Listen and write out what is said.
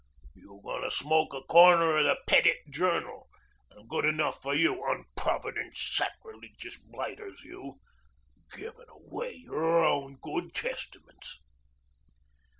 You go'n smoke a corner o' the Pet it Journal, an' good enough for you, unprovident sacriligeous blighters, you givin' away your own good Testaments."